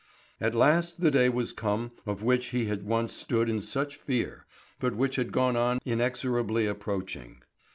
At last the day was come of which he had once stood in such fear, but which had gone on inexorably approaching.